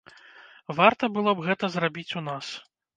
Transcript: Варта было б гэта зрабіць у нас.